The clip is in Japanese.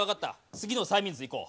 次の催眠術いこう。